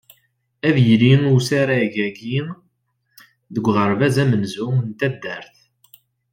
Ad yili usarag-agi deg uɣerbaz amenzu n taddart.